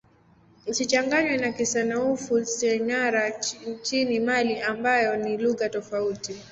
Isichanganywe na Kisenoufo-Syenara nchini Mali ambayo ni lugha tofauti.